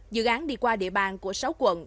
dự án đi qua địa bàn của sáu quận